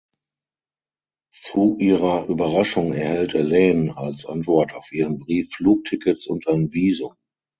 Zu ihrer Überraschung erhält Elaine als Antwort auf ihren Brief Flugtickets und ein Visum.